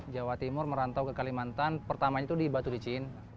jawa timur merantau ke kalimantan pertamanya itu di batu licin